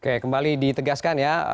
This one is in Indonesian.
oke kembali ditegaskan ya